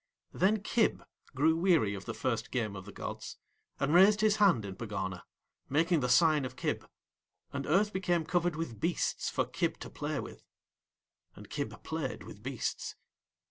Then Kib grew weary of the first game of the gods, and raised his hand in Pegana, making the sign of Kib, and Earth became covered with beasts for Kib to play with. And Kib played with beasts.